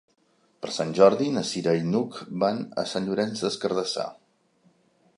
Per Sant Jordi na Cira i n'Hug van a Sant Llorenç des Cardassar.